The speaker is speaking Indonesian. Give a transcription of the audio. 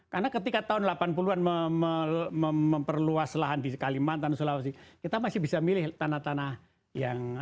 karena ketika tahun delapan puluh an memperluas lahan di kalimantan sulawesi kita masih bisa milih tanah tanah yang